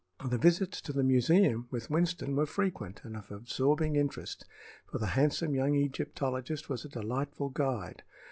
The visits to the museum with Winston were frequent and of absorbing interest, for the handsome young Egyptologist was a delightful guide.